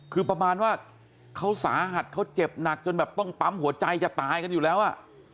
คือประมาณว่าเขาสาหัสเขาเจ็บหนักจนแบบต้องปั๊มหัวใจจะตายกันอยู่แล้วอ่ะ